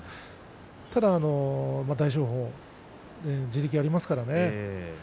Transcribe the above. ただ大翔鵬は地力がありますからね。